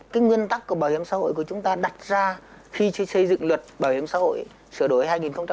cái nguyên tắc của bảo hiểm xã hội của chúng ta đặt ra khi xây dựng luật bảo hiểm xã hội sửa đổi hai nghìn một mươi bốn